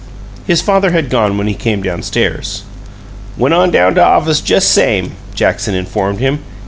His father had gone when he came down stairs. "Went on down to 's office, jes' same," Jackson informed him.